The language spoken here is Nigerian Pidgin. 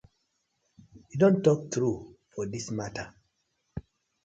Yu don tok true for dis matter.